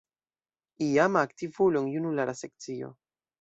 Iama aktivulo en junulara sekcio.